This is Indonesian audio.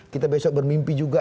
kita besok bermimpi juga